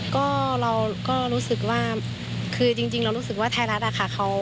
ก็เราก็รู้สึกว่าคือจริงเรารู้สึกว่าไทยรัฐอะค่ะ